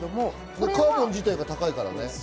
カーボン自体が高いからね。